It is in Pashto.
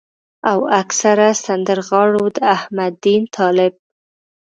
او اکثره سندرغاړو د احمد دين طالب